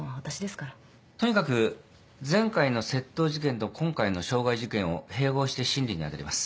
とにかく前回の窃盗事件と今回の傷害事件を併合して審理に当たります。